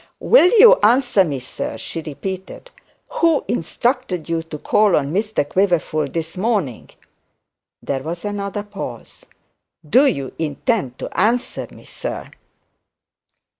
'Will you answer me, sir?' she repeated. 'Who instructed you to call on Mr Quiverful this morning?' There was another pause. 'Do you intend to answer me, sir?'